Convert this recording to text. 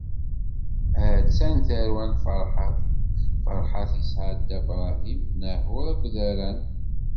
A-tt-an tarwa n Farḥat: Farḥat isɛa-d Dda Bṛahim, Naḥuṛ akked Aṛan.